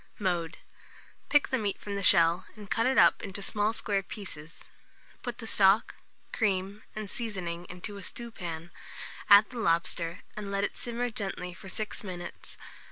Mode. Pick the meat from the shell, and cut it up into small square pieces; put the stock, cream, and seasoning into a stewpan, add the lobster, and let it simmer gently for 6 minutes.